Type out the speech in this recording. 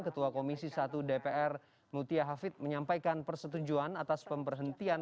ketua komisi satu dpr mutia hafid menyampaikan persetujuan atas pemberhentian